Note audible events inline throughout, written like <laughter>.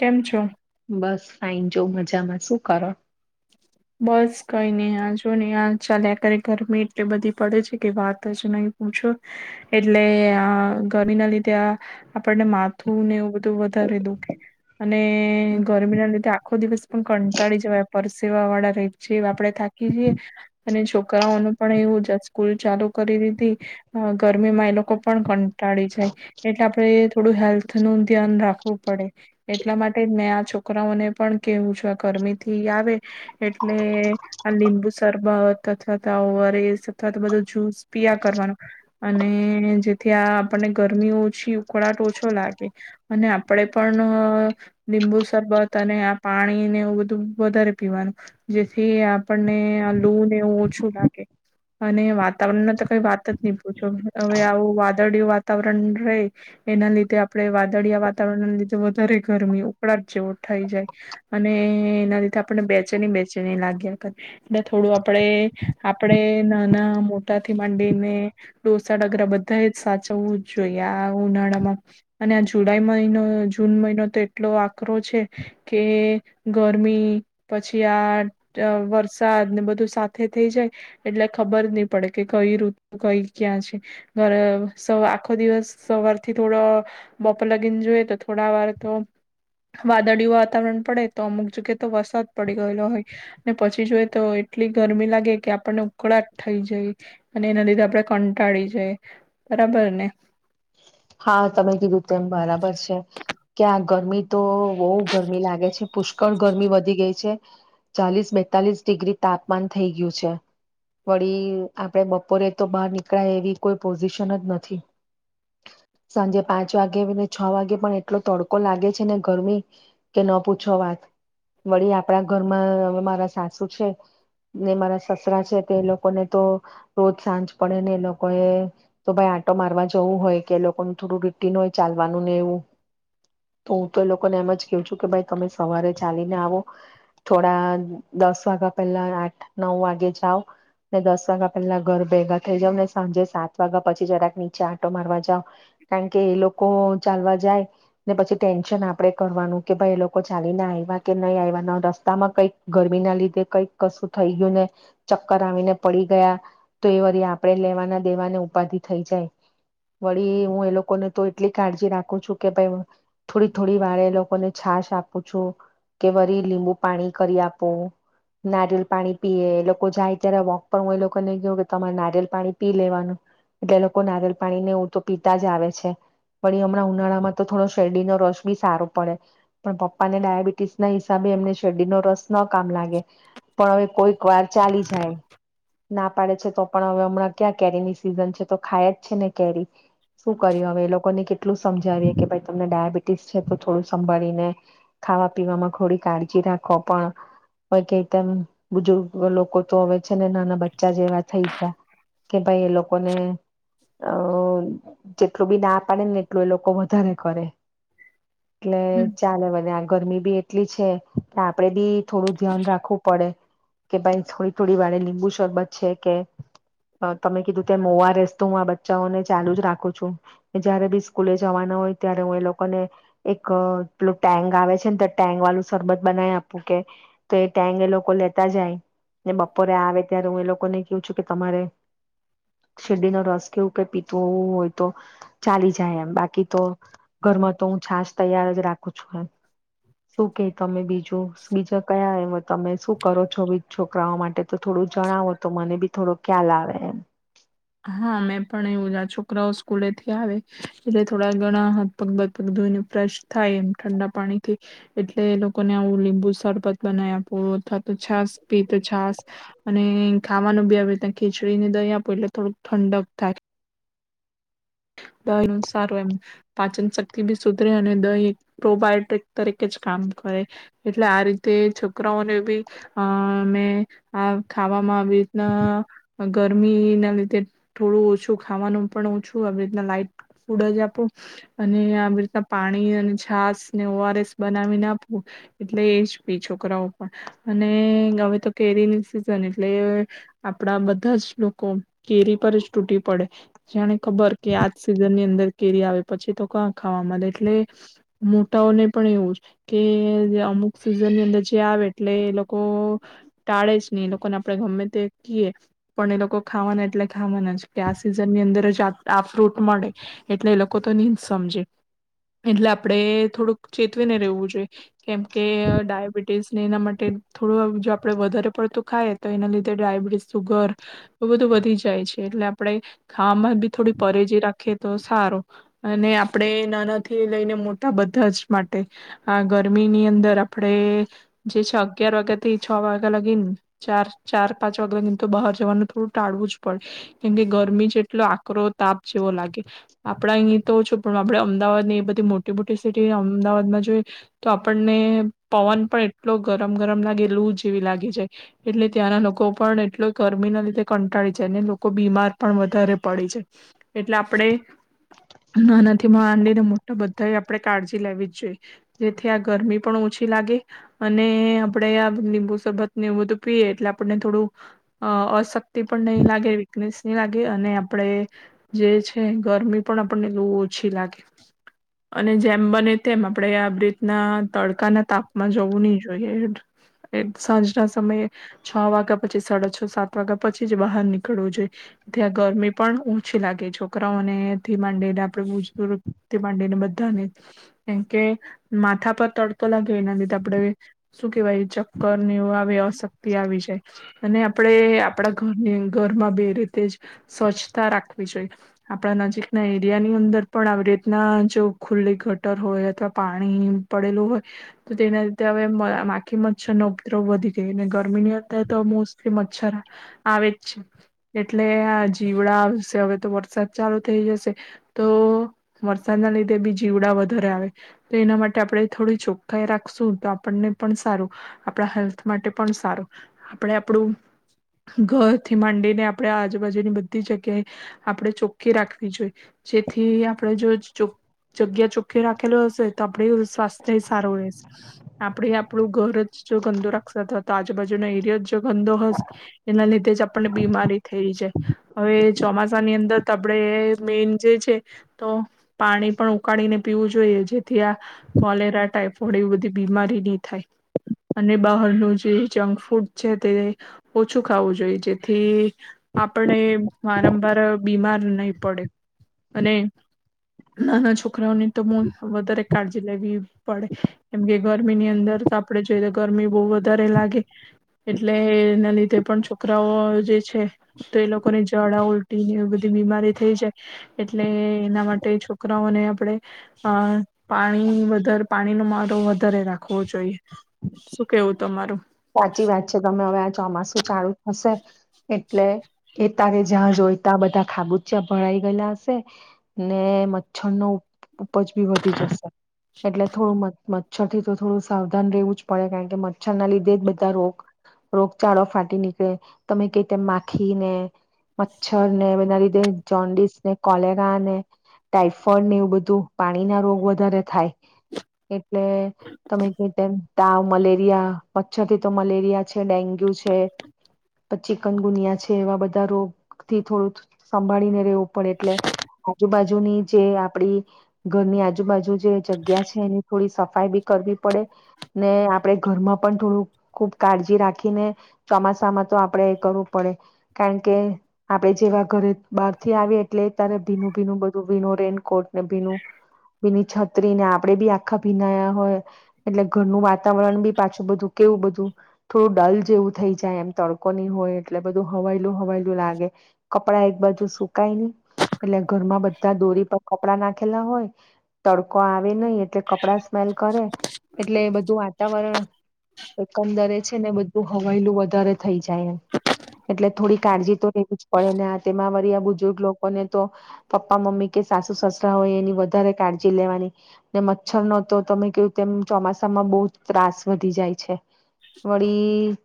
કેમ છો? બસ. ફાઈન છું મજામાં, શું કરો? બસ કઈ આ જોને અ ચાલ્યા કરે ગરમી એટલી બધી પડે છે કે વાત જ નહી પૂછો એટલે અ ગરમી ના લીધે આ આપડને માથું ને એવું બધું વધારે દુખે અને ગરમી ના લીધે આખો દિવસ પણ કંટાળી જવા પરસે <unintelligible> થાકી જઈ અને છોકરાઓનું પણ જ એવું સ્કૂલ ચાલુ કરી દીધી અ ગરમીમાં એ લોકો પણ કંટાળી જાય એટલે આપે થોડું હેલ્થ નું ધ્યાન રાખવું પડે, એટલા માટે મેં આ છોકરાઓને પણ કેવું છું આ ગરમીથી આવે એટલે આ લીંબુ શરબત અથવા તો આ ઓવરેસ અથવા તો બધો જૂસ પિયા કરવાનો અને જેથી આ આપણને ગરમી ઓછી ઉકળાટ ઓછો લાગે અને આપડે અ પણ લીંબુ શરબત અને આ પાણીને એ બધું વધારે પીવાનું જેથી આપણને આ લુ ને એવું ઓછું લાગે અને વાતાવરણમાં તો કઈ વાત જ નહી પૂછો હવે આવું વાદળયું વાતાવરણ રય એના લીધે આપણે વાદળીયા વાતાવરણ લીધે વધારે ગરમી ઉકળા જ જેવો થઈ જાય, અને એના લીધે ગરા બધા જ સાચવવું જ જોઈએ આ ઉનાળામાં અને આ જુલાઈ મહિનો જૂન મહિનો તો એટલો આકરો છે કે ગરમી પછી આ વરસાદ ને બધું સાથે થઈ જાય એટલે ખબર નહી પડે કે કઈ ઋતુ કઈ ક્યાં છે. આખો દિવસ સવારથી થોડો બપો લગીને જોઈએ તો થોડા વાર તો વાદળી વાતાવરણ પડે તો અમુક જગ્યાએ તો વસત પડી ગયેલો હોય પછી જોઈએ તો એટલી ગરમી લાગે કે આપણને ઉકળાટ થઈ જાય, અને એના લીધે આપણે કંટાળી જાય બરાબર ને? હા તમે કીધું તેમ બરાબર છે, ક્યાં ગરમી તો બઉ ગરમી લાગે છે પુષ્કળ ગરમી વધી ગઈ છે. ચાલીસ બેતાલીસ ડિગ્રી તાપમાન થઈ ગયું છે વળી આપડે બપોરે તો બહાર નીકળાય એવી કોઈ પોઝિશન જ નથી. સાંજે પાંચ વાગે ને છ વાગે પણ એટલો તડકો લાગે છે ને ગરમી કે ન પૂછો વાત વળી આપડા ઘરમાં મારા સાસુ છે ને મારા સસરા છે, તે એ લોકોને તો રોજ સાંજ પડે ને એ લોકોએ તો ભાઈ આટો મારવા જવું હોય. કે એ લોકોનું થોડું રૂટીન હોય ચાલવાનું ને એવું તો હું તો એ લોકોને એમ જ કું છું કે ભાઈ તમે સવારે ચાલીને આવો થોડા દસ વાગ્યા પહેલા આઠ નવ વાગે જાઓ, ને દસ વાગ્યા પહેલા ઘર ભેગા થઇ જાાવ ને સાંજે સાત વાગ્યા પછી જરાક નીચે આટો મારવા જાવ કારણ કે એ લોકો ચાલવા જાય ને પછી ટેન્શન આપણેે કરવાનું કે ભાઈ એ લોકો ચાલીને આવ્યા કે નહી આવ્યા ના રસ્તામાં કંઈક ગરમી ના લીધે કંઈક કશું થઈ ગયું, ને ચક્કર આવીને પડી ગયા તો એ વા આપણેે લેવાના દેવાના ઉપાધિ થઈ જાય. વળી હું એ લોકોને તો એટલી કાળજી રાખું છું કે ભાઈ થોડી થોડી વાર એ લોકોને છાશ આપું છું, કે વરી લીંબુ પાણી કરી આપું નારિયલ પાણી પીએ એ લોકો જાય ત્યારે વોક પર હું એ લોકોને કેવું કે તમારે નારિયલ પાણી પી લેવાનું એટલે એ લોકો નારિયલ પાણીને તો પીતા જ આવે છે, વળી હમણાં ઉનાળામાં તો થોડો શેરડીનો રસ બી સારો પડે પણ પપ્પા ને ડાયાબિટીસ ના હિસાબે એમને શેરડીનો રસ ન કામ લાગે પણ હવે કોઈક વાર ચાલી જાય. ના પાડે છે તો પણ હવે હમણાં ક્યાં કેરી ની સિઝન છે તો ખાય જ છે ને કેરી. શું કર્યું હવે એ લોકોને કેટલું સમજાવીએ કે ભાઈ તમને ડાયાબિટીસ છે તો થોડું સંભાળીને ખાવા પીવામાં થોડી કાળજી રાખો પણ હો કે તેમ બુજુર્ગ લોકો તો હવે છે ને નાના બચ્ચા જેવા થઈ ગયા. કે ભાઈ એ લોકોને અ કેટલું બી ના પાડે ને એટલું એ લોકો વધારે કરે. એટલે હમ ચાલે બધ આ ગરમી બી એટલી છે આપડે બી થોડું ધ્યાન રાખવું પડે કે ભાઈ થોડી થોડી વાડે લીંબુ શરબત છે કે તમે કીધું ત મોવા રસતો હું આ બચ્ચાઓને ચાલુ જ રાખું છું. જયારે બી સ્કૂલે જવાના હોય ત્યારે હું એ લોકોને એક પેલું ટેન્ક આવે છે ને તો ટેન્ક વાળું સરરબત બનાવી આપું કે તો એ ટેક એ લોકો લેતા જાય. ને બપોરે આવે ત્યારે હું એ લોકોને કેવું છું કે તમારે શેરડી ન રસ કે એઉં કય પી તુ હોય તો ચાલી જાય એમ બાકી તો ઘરમાં તો હું છાશ તૈયાર જ રાખું છું એમ શું કે તમે બીજું બીજા કયા એ તમે શું કરો છો બી છોકરાઓ માટે તો થોડું જણાવો તો મને બી થોડો ખ્યાલ આવે એમ. હા મેં પણ એવું છોકરાઓ સ્કૂલેથી આવે એટલે થોડા ઘણા હથપગ બદપગ ધોઈને ફ્રેશ થાય એમ ઠંડા પાણી થી એટલે એ લોકોને આવું લીંબુ સરરબત બનાવી આપો અથવા તો છાસ પી તો છાસ અને ખાવાનું બી આવે ત્યા ખીચડી ને દહી આપો એટલે થોડુંક ઠંડક થાય. દય સારું એમ પાચન શક્તિ બી સુધરે અને દહી એક પ્રોબાયોટ્રિક તરીકે જ કામ કરે એટલે આ રીતે છોકરાઓને બી અ અમે આ ખાવામાં આવી રીતના ગરમી ના લીધે થોડું ઓછું ખાવાનું પણ ઓછું આવી લે લાઈટ ફૂડ જ આપું અને આવી રીતના પાણી અને છાસ ને ઓ આર એસ બનાવીને આપવું એટલે એ જ બેી છોકરાઓ પણ અને હવે તો કેરી ની સિઝન એટલે આપડા બધા જ લોકો કેરી પર જ તૂટી પડે જેને ખબર કે આજ સિઝન ની અંદર કેરી આવે પછી તો ક ખાવા મળે એટલે મોટાઓને પણ એવું જ કે અમુક સિઝન ની અંદર જે આવે એટલે એ લોકો ટાળે જ નહી એ લોકોને આપણે ગમે તે કીએ પણ એ લોકો ખાવાના એટલે ખાવાના જ કે આ સિઝન ની અંદર જ આ ફ્રૂટ મળે એટલે એ લોકો તો નહી જ સમજે એટલે આપડે થોડુંક ચેતવીને રેવું જોઈએ. કેમ કે ડાયાબિટીસ ને એના માટે ટે થોડું આમ જો આપડે વધારે પડતું ખાય તો એના લીધે ડાયાબિટીસ સુગર બધું વધી જાય છે એટલે આપણે ખાવામાં બી થોડી પરેજી રાખીએ તો સારો અને આપણે નાનાથી લઈને મોટા બધા જ માટે આ ગરમીની અંદર આપણે જે છે અગિયાર વાગ્યા થી છ વાગ્યા લાગીને ચાર ચાર પાંચ વાગ્યા લાગીને તો બહાર જવાનું થોડું ટાળવું જ પડે. કેમકે ગરમી જેટલો આકરો તાપ જેવો લાગે આપણા અહીં તો છું પણ આપે અમદાવાદ ની એ બધી મોટી મોટી સિટી અમદાવાદમાં જોઈએ તો આપણને પવન પણ એટલો ગરમ ગરમ લાગે એ લું જેવી લાગી જાય એટલે ત્યાંના લોકો પણ એટલો ગરમીના લીધે કંટાળી જાય અને લોકો બીમાર પણ વધારે પડી જાય. એટલે આપણેે નાનાથી માડીને મોટા બધા આપણે કાળજી લેવી જ જોઈએ જેથી આ ગરમી પણ ઓછી લાગે અને આપણેે આ લીંબુ સરબત નેવ બધું પીએ એટલે આપણને થોડું અ અશક્તિ પણ નહી લાગે વીકનેસ નહી લાગે અને આપણે જે છે ગરમી પણ આપણને લૂ ઓછી લાગે. અને જેમ બને તેમ આપણેે આવી રીતના તડકાના તાપમા જવું નહી જોઈએ સાંજના સમયે છ વાગ્યા પછી સાડા છ સાત વાગ્યા પછી જ બહાર નીકળવું જોઈએ. ત આ ગરમી પણ ઓછી લાગે છોકરાઓને થી માંડીને આપણે બુજુગથી માંડીને બધાને કેમ કે માથા પર તડતો લાગે એનાથી આપે શું કેવાય ચક્કર ને એઇ આવે અ શક્તિ આવી જાય, અને આપણે આપણા ઘરની ઘરમાં બે રીતે, જ સ્વચ્છતા રાખ જોઈએ, આપણા નજીકના એરિયાની અંદર પણ આવી રીતના જો ખુલ્લી ગટર હોય અથવા પાણી પડેલું હોય, તો તેના લીધે હવે માખી મચ્છર નો ઉપદ્રવ વધી ગયો ને ગરમીની અંદર તો મોસ્ટલી મચ્છર, આવે જ છે, એટલે આ જીવડા હવે તો વરસાદ ચાલુ થઈ જશે, તો વરસાદના લીધે બી જીવડા વધારે આવે, તો એના માટે આપણે થોડી ચોખ્ખાાઈ રાખશું તો આપણને પણ સારું આપણા હેલ્થ માટે પણ સારું, આપણે આપણું ઘરથી માંડીને આપણે આજુબાજુની બધી જગ્યાએ આપણેે ચોખ્ખી રાખવી જોઈ, જેથી આપડણે જો જગ્યા ચોખ્ખી રાખેલ હશે તો આપડ સ્વાસ્થ્ય સારું રહેશે, આપણે આપણું ઘર જ જો ગંદો રાખતા હતા તો આજુબાજુનો એરિયા જો ગંદો હશે, એના લીધે જ આપને બીમારી થઈ જાય. હવે ચોમાસા ની અંદર આપણેે મેન જે છે, તો પાણી પણ ઉકાળીને પીવું જોઈએ જેથી આ, કોલેરા ટાઈફોઇડ એવી બધી બીમારી નહી થાય, અને બહારનું જે જંક ફૂડ છે તે ઓછું ખાવું જોઈએ જેથી, આપણે વારંવાર બીમાર નહી પડે, અને નાના છોકરાઓની તો વધારે કાળજી લેવી પડે, કેમ કે ગરમીની અંદર આપણે જોઈ તો ગરમી બહ વધારે લાગે, એટલે એના લીધે પણ છોકરાઓ જે છે, તો એ લોકોને જડા ઉલટી ને એવી બધી બીમારી થઈ જાય, એટલે એના માટે છોકરાઓને આપણે, અ પાણી વધારે પાણીનો મારો વધારે રાખવો જોઈએ, શું કેવું તમારું? સાચી વાત છે ગમે હવે વા ચોમાસું ચાલુ થશે, એ એટલે, એ તારે જ્યાં જોઈ ત્યાં બધા ખાબુચિયા ભરાઈ ગયેલા હશે, ને મચ્છર નો ઉપજ બી વધી જશે, એટલે થોડું મ મ મચ્છર તો થોડું સાવધાન રહેવું જ પડે. કારણ કે મચ્છરના લી બધા રોગ રોગચાળો ફાટી નીકળે. તમે ક માખી ને મચ્છર ને બના રીધ જોન્ડીસ ને, કોલેરા ને, ટાઈફોઇડ ને એવું બધું પાણી ના રોગ વધારે થાય. એટલે તમે કેય તેમ તાવ, મલેરિયા મચ્છર થી તો મલેરિયા છે, ડેન્ગ્યુ છે, પછ ચિકનગુનિયા છે. એવા બધા રોગ થી થોડું સંભાળીને રહેવું. પણ એટલે આજુબાજુની જે આપડી ઘરની આજુબાજુ જે જગ્યા છે એની થોડી સફાઈ બી કરવી પડે ને આપડે ઘરમાં પણ થોડું ખૂબ કાળજી રાખીને ચોમાસામાં તો આપણે એ કરવું પડે કારણ કે આપડે જેવા ઘરે બહાર થી આવીએ એટલે ત્યારે ભીનું ભીનું બધું ભીનું રેનકોટ ને ભીનું ભીની છત્રી ને આપડે બી આખા ભીનાયા હોય એટલે ઘરનું વાતાવરણ બી પાછું બધું કેવું બધું થોડું ડલ જેવું થઈ જાય એમ. તડકો નહી હોય એટલે બધું હવાયલું હવાયેલું લાગે. કપડા એક બાજુ સુકાય નહી એટલે ઘરમાં બધા દોરી પર કપડા નાખેલા હોય તડકો આવે નહી એટલે કપડા સ્મેલ કરે એટલે બધું વા તમારો એકંદરે છે ને બધું હવાયલું વધારે થઈ જાય એમ એટલે થોડી કાળજી તો લેવી જ પડે ને આ તેમાં વળી આ બુજુર્ગ લોકોને તો પપ્પા મમ્મી કે સાસુ સસરા હોય એની વધારે કાળજી લેવાની ને મચ્છર નો તો તમે કેવો તેમ ચોમાસામાં બહુ જ ત્રાસ વધી જાય છે. વળી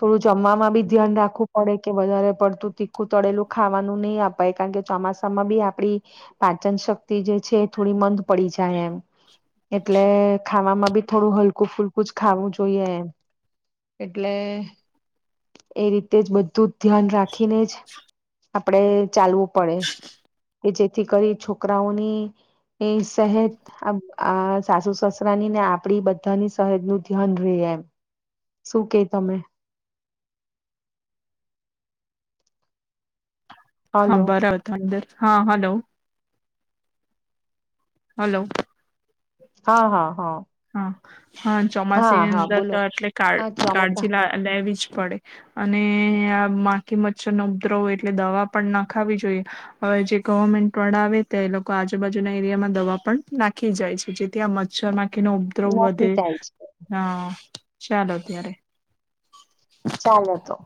થોડું જમવાવામાં બી ધ્યાન રાખવું પડે કે વધારે પડતું તીખું ખું તળેલું ખાવાનું નહી આપ કારણ કે ચોમાસામાં બી આપડી પાચન શક્તિ જે છે થોડી મંદ પડી જાય એમ. એટલે ખાવામાં બી થોડું હલકું ફૂલકું હલકું જ ખાવું જોઈએ એમ એટલે એ રીતે જ બધું ધ્યાન રાખીને જ આપડે ચાલવું પડે. કે જેથી કરી છોકરાઓની એ સહેદ આ આ સાસુ સસરા ની ને આપડી બધાની સહેજ નું ધ્યાન રે એમ શું કે તમે? હા હલો બરાબ તો અંદર હા હલો. હલો. હા હા હા. હ હા હા ચોમાસીની હા અંદર બોલો તો એટલી હા ચોમાસા કાળજી લેવી જ પડે. અને આ માખી મચ્છરનો ઉદ્રવ એટલે દવા પણ નખાવી જોઈએ. હવે જે ગવર્મેન્ટ વાળા આવે તે લોકો આજુબાજુના એરિયામાં દવા પણ નાખી જાય છે. જેથી આ મચ્છર માખી કે ન નક્કી ઉદ્રવધે થાય છે હા ચાલો ત્યારે. ચાલો તો